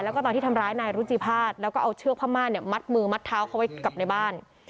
แล้วก็ตอนที่ทำร้ายนายรุจิภาษณแล้วก็เอาเชือกผ้าม่านเนี่ยมัดมือมัดเท้าเขาไว้กลับในบ้าน